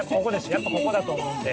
やっぱここだと思うんで。